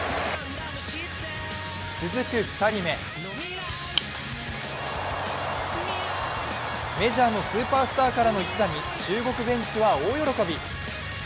続く２人目メジャーのスーパースターからの一打に中国ベンチは大喜び。